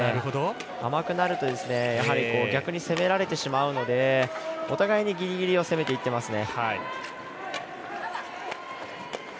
甘くなると逆に攻められてしまうのでお互いにギリギリを攻めていってますね。